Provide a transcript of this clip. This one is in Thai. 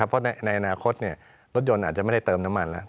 เพราะในอนาคตรถยนต์อาจจะไม่ได้เติมน้ำมันแล้ว